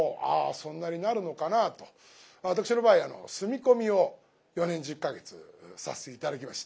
そんなになるのかなと私の場合住み込みを４年１０か月させて頂きました。